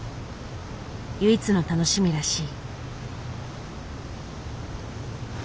唯一の楽しみらしい。